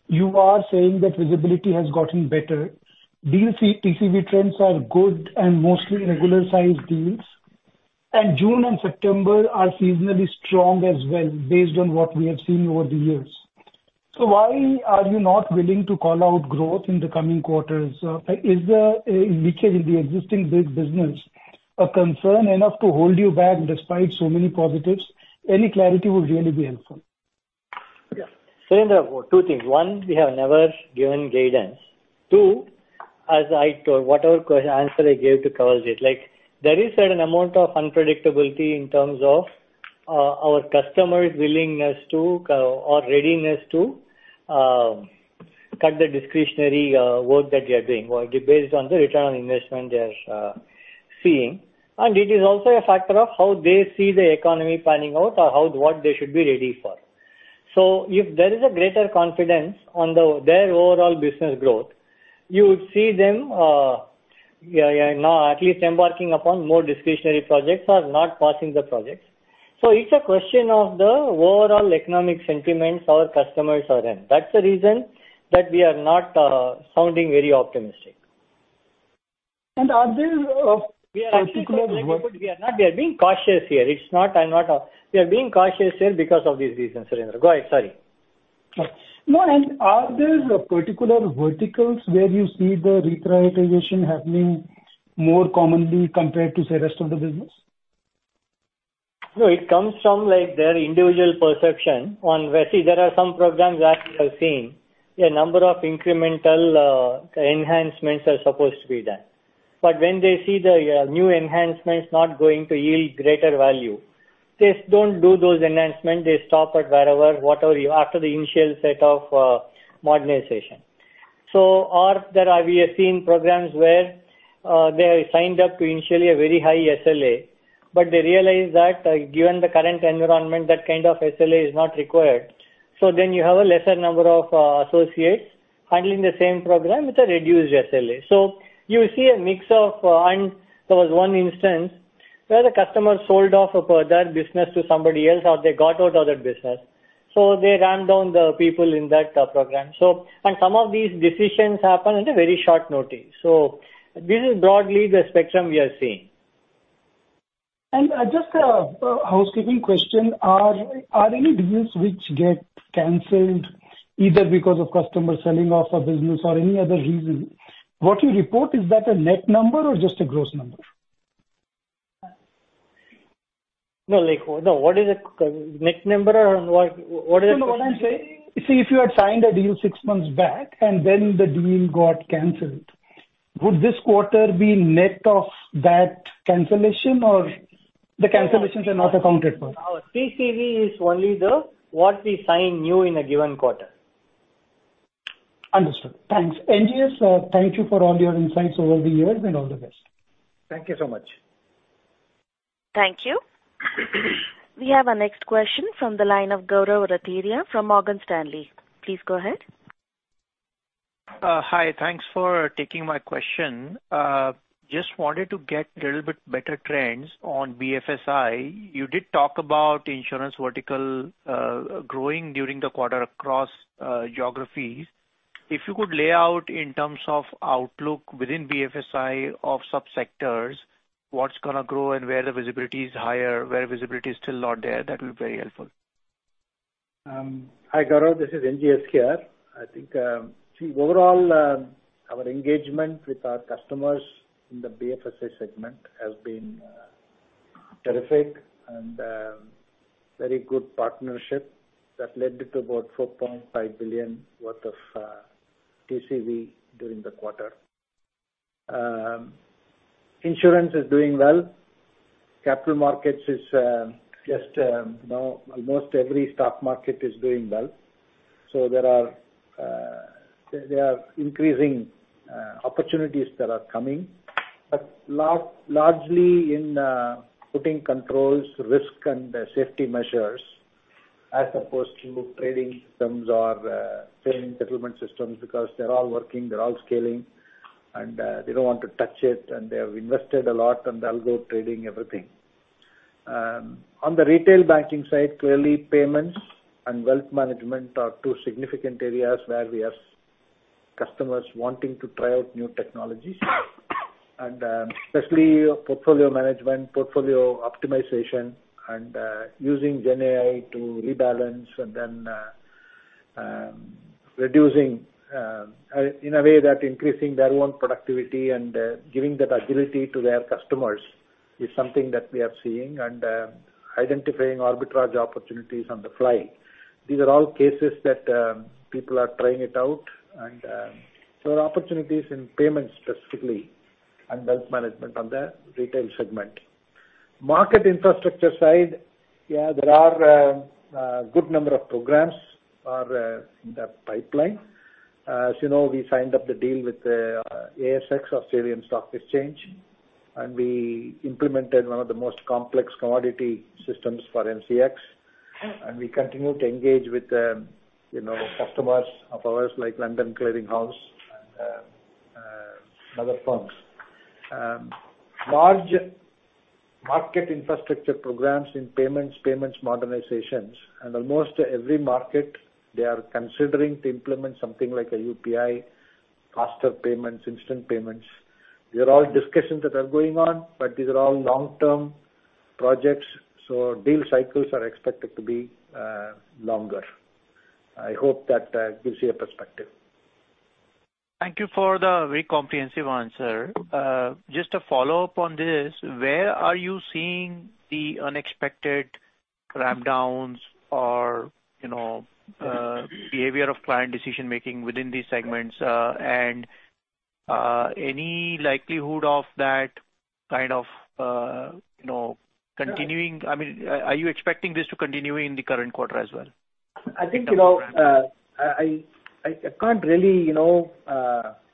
You are saying that visibility has gotten better. Do you see TCV trends are good and mostly regular sized deals? And June and September are seasonally strong as well, based on what we have seen over the years. So why are you not willing to call out growth in the coming quarters? Is there a leakage in the existing big business a concern enough to hold you back despite so many positives? Any clarity would really be helpful. Yeah. Surendra, two things: One, we have never given guidance. Two, as I told, whatever answer I gave to Kawaljeet, like, there is a certain amount of unpredictability in terms of our customers' willingness to or readiness to cut the discretionary work that we are doing, or based on the return on investment they are seeing. And it is also a factor of how they see the economy panning out or how what they should be ready for. So if there is a greater confidence on their overall business growth, you would see them now at least embarking upon more discretionary projects or not passing the projects. So it's a question of the overall economic sentiments our customers are in. That's the reason that we are not sounding very optimistic. Are there particular- We are being cautious here because of these reasons, Surendra. Go ahead. Sorry. No, and are there particular verticals where you see the reprioritization happening more commonly compared to, say, rest of the business? No, it comes from, like, their individual perception on where... See, there are some programs where we have seen a number of incremental enhancements are supposed to be done. But when they see the new enhancements not going to yield greater value, they don't do those enhancements, they stop at wherever, whatever, after the initial set of modernization. So, or there are—we have seen programs where they signed up to initially a very high SLA, but they realized that, given the current environment, that kind of SLA is not required. So then you have a lesser number of associates handling the same program with a reduced SLA. So you see a mix of. There was one instance where the customer sold off their business to somebody else or they got out of that business, so they ramped down the people in that program. And some of these decisions happen at a very short notice. So this is broadly the spectrum we are seeing. Just a housekeeping question. Are any business which get canceled, either because of customers selling off a business or any other reason, what you report, is that a net number or just a gross number? No, like, what is a net number or what? No, what I'm saying. See, if you had signed a deal six months back and then the deal got canceled, would this quarter be net of that cancellation, or the cancellations are not accounted for? Our TCV is only what we sign new in a given quarter. Understood. Thanks. NGS, thank you for all your insights over the years, and all the best. Thank you so much. Thank you. We have our next question from the line of Gaurav Rateria from Morgan Stanley. Please go ahead. Hi, thanks for taking my question. Just wanted to get a little bit better trends on BFSI. You did talk about insurance vertical, growing during the quarter across geographies. If you could lay out in terms of outlook within BFSI of subsectors, what's gonna grow and where the visibility is higher, where visibility is still not there, that will be very helpful. Hi, Gaurav, this is NGS here. I think, overall, our engagement with our customers in the BFSI segment has been, terrific and, very good partnership that led to about $4.5 billion worth of TCV during the quarter. Insurance is doing well. Capital markets is, just, now, almost every stock market is doing well. So there are, there are increasing, opportunities that are coming, but largely in, putting controls, risk, and safety measures, as opposed to trading systems or, trading settlement systems, because they're all working, they're all scaling, and, they don't want to touch it, and they have invested a lot, and algo trading everything. On the retail banking side, clearly, payments and wealth management are two significant areas where we have customers wanting to try out new technologies. Especially portfolio management, portfolio optimization, and using GenAI to rebalance and then reducing in a way that increasing their own productivity and giving that agility to their customers is something that we are seeing, and identifying arbitrage opportunities on the fly. These are all cases that people are trying it out, and there are opportunities in payments specifically and wealth management on the retail segment. Market infrastructure side, yeah, there are a good number of programs are in the pipeline. As you know, we signed up the deal with ASX, Australian Securities Exchange, and we implemented one of the most complex commodity systems for MCX. And we continue to engage with you know, customers of ours, like London Clearing House and other firms. Large market infrastructure programs in payments, payments modernizations, and almost every market, they are considering to implement something like a UPI, faster payments, instant payments. These are all discussions that are going on, but these are all long-term projects, so deal cycles are expected to be longer. I hope that gives you a perspective. Thank you for the very comprehensive answer. Just a follow-up on this, where are you seeing the unexpected ramp downs or, you know, behavior of client decision-making within these segments? And any likelihood of that kind of, you know, continuing... I mean, are you expecting this to continue in the current quarter as well? I think, you know, I can't really, you know,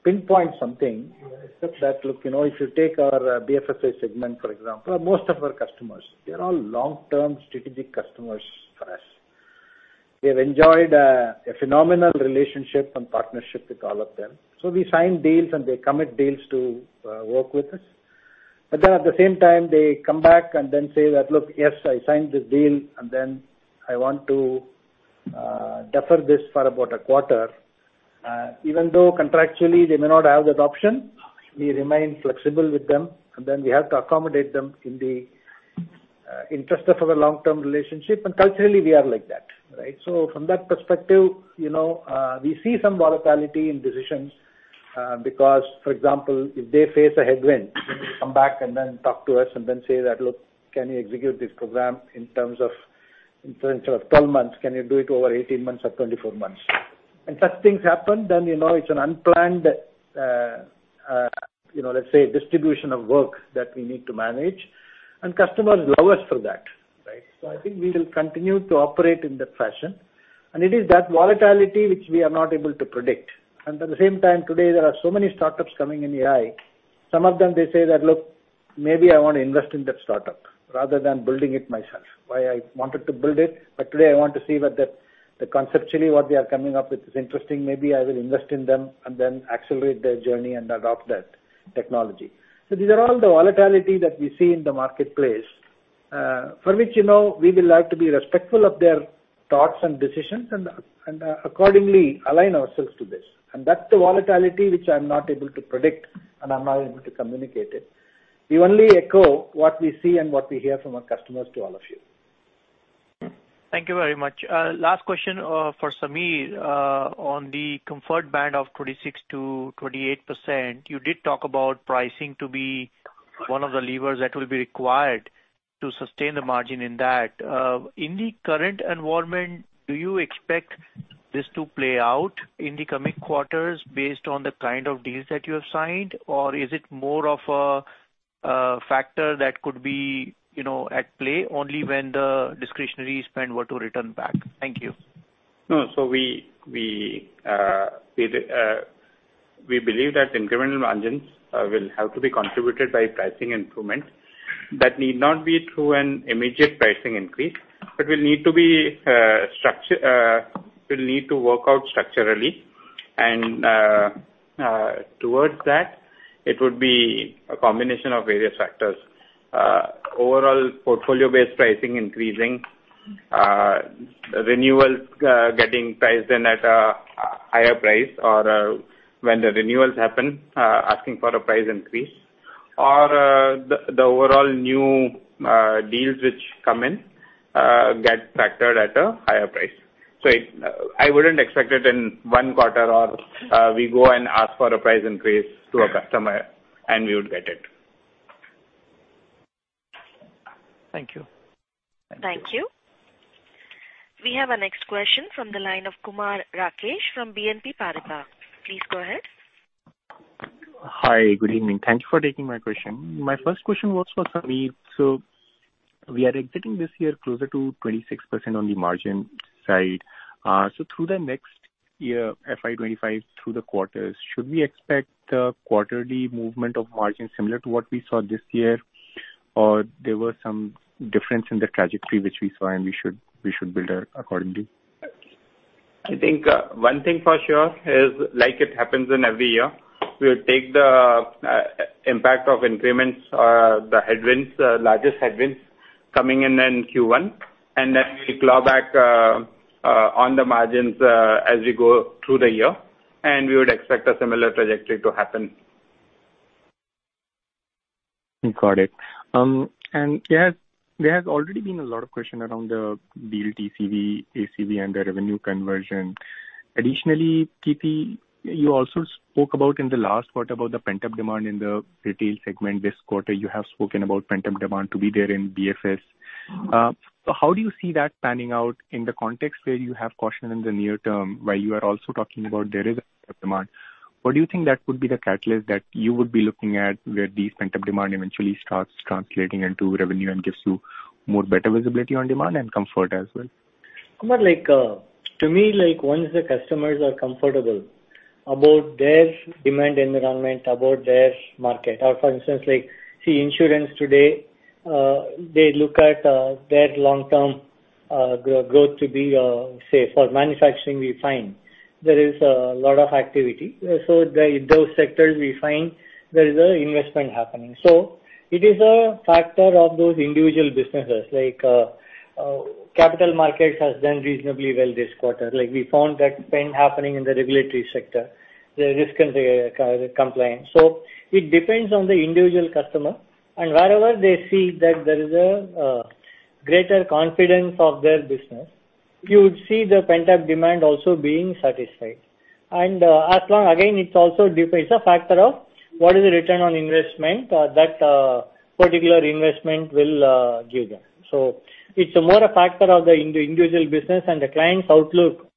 pinpoint something except that, look, you know, if you take our BFSI segment, for example, most of our customers, they're all long-term strategic customers for us. We have enjoyed a phenomenal relationship and partnership with all of them. So we sign deals and they commit deals to work with us. But then at the same time, they come back and then say that, "Look, yes, I signed this deal, and then I want to defer this for about a quarter." Even though contractually they may not have that option, we remain flexible with them, and then we have to accommodate them in the interest of our long-term relationship. And culturally, we are like that, right? So from that perspective, you know, we see some volatility in decisions, because, for example, if they face a headwind, they come back and then talk to us and then say that, "Look, can you execute this program in terms of, in terms of 12 months, can you do it over 18 months or 24 months?" And such things happen, then, you know, it's an unplanned, you know, let's say, distribution of work that we need to manage, and customers love us for that, right? So I think we will continue to operate in that fashion. And it is that volatility which we are not able to predict. And at the same time, today, there are so many startups coming in AI. Some of them they say that, "Look, maybe I want to invest in that startup rather than building it myself. Why I wanted to build it, but today I want to see whether conceptually what they are coming up with is interesting. Maybe I will invest in them and then accelerate their journey and adopt that technology." So these are all the volatility that we see in the marketplace, for which, you know, we will like to be respectful of their thoughts and decisions and accordingly align ourselves to this. And that's the volatility which I'm not able to predict, and I'm not able to communicate it. We only echo what we see and what we hear from our customers to all of you. Thank you very much. Last question for Samir. On the comfort band of 26%-28%, you did talk about pricing to be one of the levers that will be required to sustain the margin in that. In the current environment, do you expect this to play out in the coming quarters based on the kind of deals that you have signed? Or is it more of a factor that could be, you know, at play only when the discretionary spend were to return back? Thank you. No, so we believe that incremental margins will have to be contributed by pricing improvements. That need not be through an immediate pricing increase, but will need to work out structurally. Towards that, it would be a combination of various factors. Overall, portfolio-based pricing increasing, renewals getting priced in at a higher price, or when the renewals happen, asking for a price increase, or the overall new deals which come in. get factored at a higher price. So it, I wouldn't expect it in one quarter or, we go and ask for a price increase to a customer, and we would get it. Thank you. Thank you. We have our next question from the line of Kumar Rakesh from BNP Paribas. Please go ahead. Hi, good evening. Thank you for taking my question. My first question was for Samir. So we are exiting this year closer to 26% on the margin side. So through the next year, FY 2025, through the quarters, should we expect quarterly movement of margins similar to what we saw this year? Or there were some difference in the trajectory which we saw and we should, we should build accordingly? I think, one thing for sure is, like it happens in every year, we'll take the impact of increments, the headwinds, largest headwinds coming in in Q1, and then we claw back on the margins as we go through the year, and we would expect a similar trajectory to happen. Got it. And there has already been a lot of question around the deal TCV, ACV, and the revenue conversion. Additionally, K. Krithivasan, you also spoke about in the last quarter about the pent-up demand in the retail segment. This quarter, you have spoken about pent-up demand to be there in BFS. So how do you see that panning out in the context where you have caution in the near term, while you are also talking about there is a pent-up demand? What do you think that would be the catalyst that you would be looking at, where this pent-up demand eventually starts translating into revenue and gives you more better visibility on demand and comfort as well? Kumar, like, to me, like, once the customers are comfortable about their demand environment, about their market, or for instance, like, see, insurance today, they look at their long-term growth to be, say, for manufacturing, we find there is a lot of activity. So those sectors we find there is a investment happening. So it is a factor of those individual businesses, like, capital markets has done reasonably well this quarter. Like, we found that trend happening in the regulatory sector, the risk and compliance. So it depends on the individual customer, and wherever they see that there is a greater confidence of their business, you would see the pent-up demand also being satisfied. And, as long. Again, it's also a factor of what is the return on investment that particular investment will give them. So it's more a factor of the individual business and the client's outlook,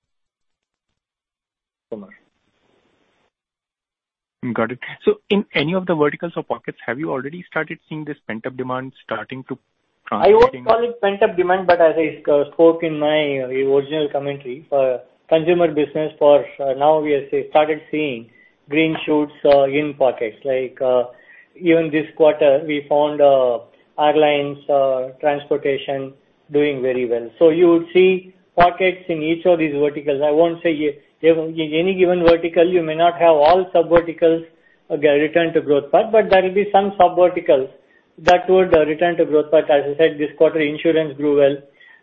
Kumar. Got it. So in any of the verticals or pockets, have you already started seeing this pent-up demand starting to translate? I won't call it pent-up demand, but as I spoke in my original commentary for consumer business, for now, we have started seeing green shoots in pockets. Like, even this quarter, we found airlines, transportation doing very well. So you would see pockets in each of these verticals. I won't say in any given vertical, you may not have all sub-verticals return to growth path, but there will be some sub-verticals that would return to growth path. As I said, this quarter, insurance grew well,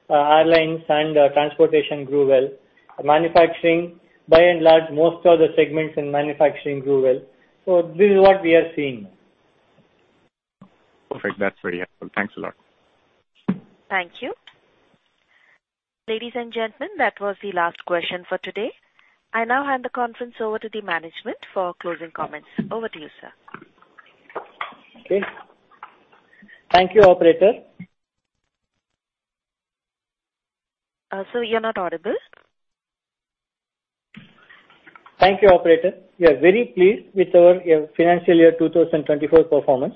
airlines and transportation grew well. Manufacturing, by and large, most of the segments in manufacturing grew well. So this is what we are seeing. Perfect. That's very helpful. Thanks a lot. Thank you. Ladies and gentlemen, that was the last question for today. I now hand the conference over to the management for closing comments. Over to you, sir. Okay. Thank you, operator. Sir, you're not audible. Thank you, operator. We are very pleased with our financial year 2024 performance,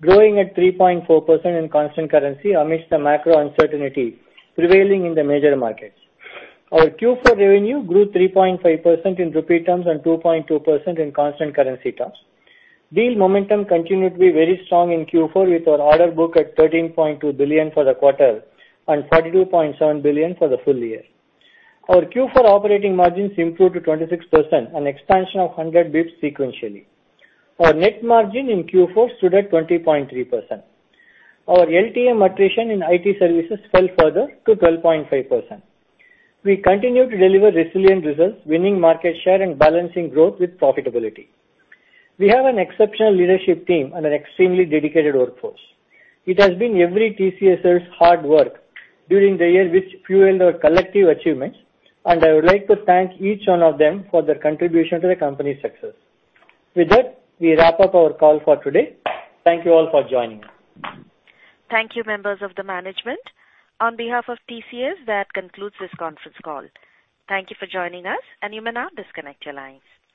growing at 3.4% in constant currency amidst the macro uncertainty prevailing in the major markets. Our Q4 revenue grew 3.5% in rupee terms and 2.2% in constant currency terms. Deal momentum continued to be very strong in Q4, with our order book at $13.2 billion for the quarter and $42.7 billion for the full year. Our Q4 operating margins improved to 26%, an expansion of 100 basis points sequentially. Our net margin in Q4 stood at 20.3%. Our LTM attrition in IT services fell further to 12.5%. We continue to deliver resilient results, winning market share and balancing growth with profitability. We have an exceptional leadership team and an extremely dedicated workforce. It has been every TCSer's hard work during the year which fueled our collective achievements, and I would like to thank each one of them for their contribution to the company's success. With that, we wrap up our call for today. Thank you all for joining. Thank you, members of the management. On behalf of TCS, that concludes this conference call. Thank you for joining us, and you may now disconnect your lines.